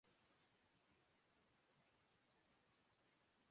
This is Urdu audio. یہ کسی افسانے کی باتیں نہیں ہیں۔